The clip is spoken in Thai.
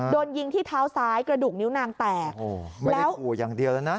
โดนยิงที่เท้าซ้ายกระดูกนิ้วนางแตกไม่ได้ขู่อย่างเดียวแล้วนะ